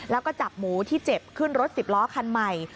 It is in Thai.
แล้วก็จับหมูที่เจ็บขึ้นรถสิบล้อคันใหม่